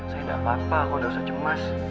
saya gak apa apa aku udah usah cemas